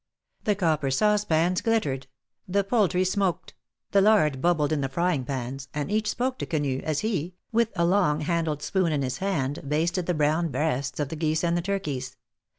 The copper saucepans glittered — the poultry smoked — the lard bubbled in the frying pans, and each spoke to Quenu as he, with a long handled spoon in his hand, basted the brown breasts of the geese and the turkeys.